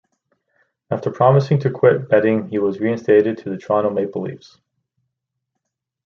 After promising to quit betting he was reinstated to the Toronto Maple Leafs.